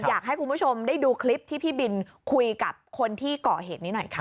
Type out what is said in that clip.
อยากให้คุณผู้ชมได้ดูคลิปที่พี่บินคุยกับคนที่เกาะเหตุนี้หน่อยค่ะ